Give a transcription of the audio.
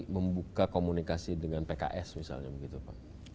membuka komunikasi dengan pks misalnya begitu pak